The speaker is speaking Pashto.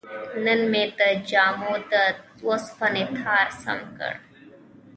نن مې د جامو د وسپنې تار سم کړ.